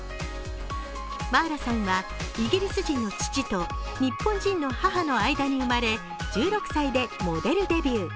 茉愛羅さんは、イギリス人の父と日本人の母の間に生まれ１６歳でモデルデビュー。